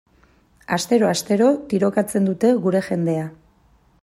Astero-astero tirokatzen dute gure jendea.